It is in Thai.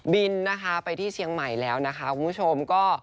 บินนะคะไปที่เชียงใหม่แล้วนะคะคุณผู้ชมก็